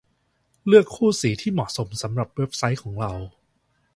เลือกคู่สีที่เหมาะสมสำหรับเว็บไซต์ของเรา